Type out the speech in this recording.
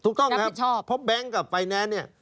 ถูกต้องนะครับเพราะแบงก์กับไฟแนนซ์